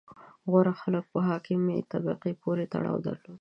• غوره خلک په حاکمې طبقې پورې تړاو درلود.